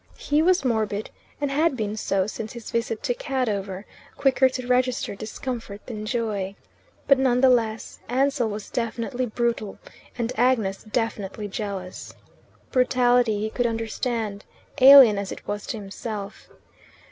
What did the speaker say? He was morbid, and had been so since his visit to Cadover quicker to register discomfort than joy. But, none the less, Ansell was definitely brutal, and Agnes definitely jealous. Brutality he could understand, alien as it was to himself.